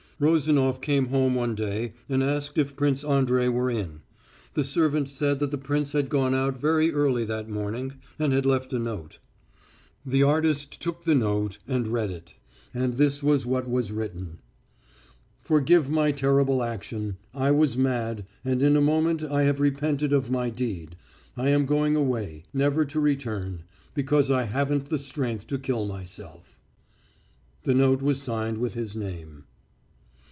Rozanof came home one day and asked if Prince Andrey were in. The servant said that the prince had gone out very early that morning, and had left a note. The artist took the note and read it. And this was what was written. "Forgive my terrible action. I was mad, and in a moment I have repented of my deed. I am going away, never to return, because I haven't strength to kill myself." The note was signed with his name.